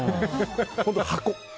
本当に箱。